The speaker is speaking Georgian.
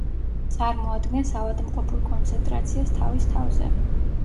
წარმოადგენს ავადმყოფურ კონცენტრაციას თავის თავზე.